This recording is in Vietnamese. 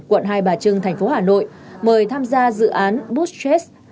quận hai bà trưng thành phố hà nội mời tham gia dự án buzzchest